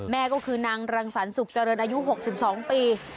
แม่ก็คือนางรังสรรสุขเจริญอายุ๖๒ปี